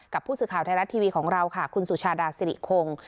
ผู้สื่อข่าวไทยรัฐทีวีของเราค่ะคุณสุชาดาสิริคง